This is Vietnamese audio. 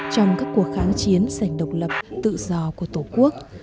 trong các cuộc kháng chiến sảnh độc lập tự do của tổ quốc